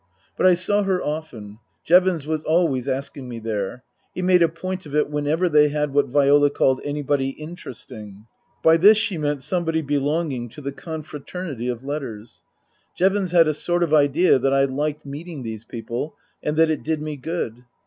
But I saw her often. Jevons was always asking me there. He made a point of it whenever they had what Viola called " anybody interesting." By this she meant somebody belonging to the confraternity of letters. Jevons had a sort of idea that I liked meeting these people and that it did me good.